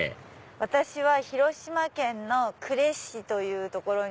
私は広島県の呉市という所にある